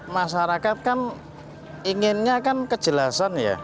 masyarakat kan inginnya kan kejelasan ya